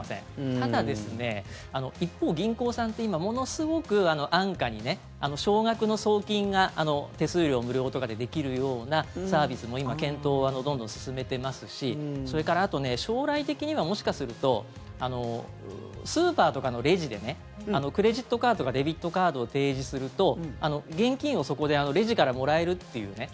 ただですね、一方、銀行さんって今、ものすごく安価に少額の送金が手数料無料とかでできるようなサービスも今、検討をどんどん進めてますしそれからあと、将来的にはもしかするとスーパーとかのレジでクレジットカードとかデビットカードを提示すると現金を、そこでレジからもらえるっていうね。